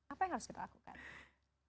apa yang harus kita lakukan